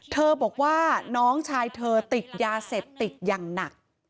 บอกว่าน้องชายเธอติดยาเสพติดอย่างหนัก